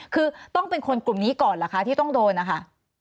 คือต้องเป็นคนกลุ่มนี้ก่อนเหรอคะที่ต้องโดนนะคะ